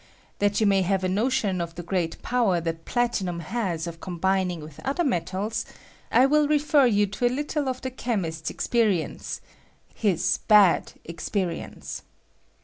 That you may FUSION OP PLATINUM WITH LEAD. 201 have a. notion of tiie great power that platinum has of combining with other metaJs, I will refer you to a little of the chemist's experience — ^his bad experience.